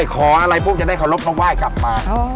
ขออะไรปุ๊บจะได้ขอรบนกว่ายกลับมา